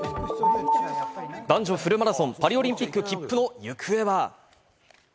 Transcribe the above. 男女フルマラソン、パリオリンピック切符の行方は？